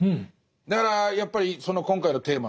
だからやっぱりその今回のテーマのね